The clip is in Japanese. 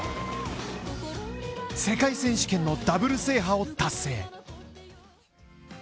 世界選手権のダブル制覇を達成。